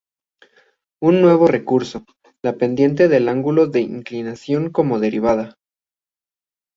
Un nuevo recurso: la pendiente de un ángulo de inclinación como derivada.